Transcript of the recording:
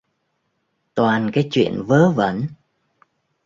toàn cái chuyện vớ vẩn